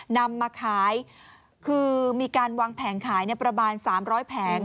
นำมาขายคือมีการวางแผงขายประมาณ๓๐๐แผง